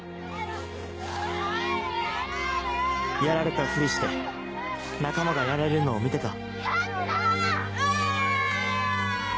やられたふりして仲間がやられるのを見てた。